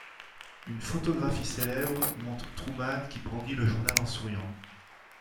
Une photographie célèbre montre Truman qui brandit le journal en souriant.